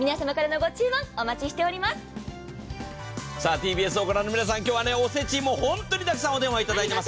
ＴＢＳを御覧の皆さん、今日はおせちも本当にたくさんお電話いただいています。